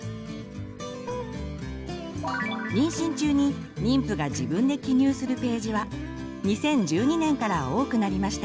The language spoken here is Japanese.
妊娠中に妊婦が自分で記入するページは２０１２年から多くなりました。